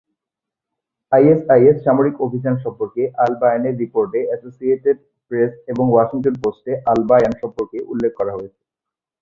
ISIS সামরিক অভিযান সম্পর্কে আল-বায়ানের রিপোর্টে অ্যাসোসিয়েটেড প্রেস এবং ওয়াশিংটন পোস্টে আল-বায়ান সম্পর্কে উল্লেখ করা হয়েছে।